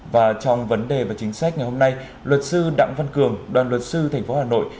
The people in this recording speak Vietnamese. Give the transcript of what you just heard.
và trong vấn đề và chính sách ngày hôm nay luật sư đặng văn cường đoàn luật sư tp hcm